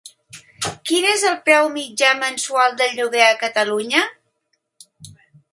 Quin és el preu mitjà mensual del lloguer a Catalunya?